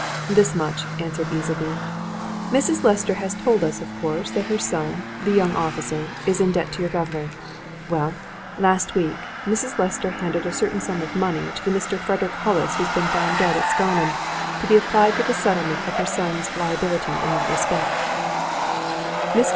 "This much," answered Easleby. "Mrs. Lester has told us, of course, that her son, the young officer, is in debt to your governor. Well, last week, Mrs. Lester handed a certain sum of money to the Mr. Frederick Hollis who's been found dead at Scarnham, to be applied to the settlement of her son's liability in that respect." Mr.